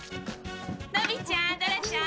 のびちゃんドラちゃん